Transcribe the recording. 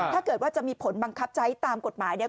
ถ้าเกิดว่าจะมีผลบังคับใช้ตามกฎหมายเนี่ย